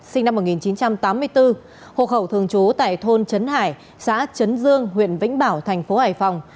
sinh năm một nghìn chín trăm tám mươi bốn hộ khẩu thường trú tại thôn trấn hải xã chấn dương huyện vĩnh bảo thành phố hải phòng